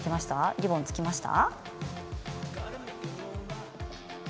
リボンつきました。